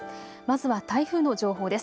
まずは台風の情報です。